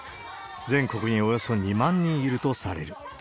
全国におよそ２万人いるとされる。